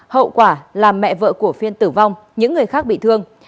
hậu quả làm mẹ vợ của phiên tử vong những người khác bị thương